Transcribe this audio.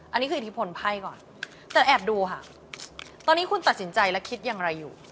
อันนี้คืออิทธิพลไพ่ก่อนแต่แอบดูค่ะตอนนี้คุณตัดสินใจและคิดอย่างไรอยู่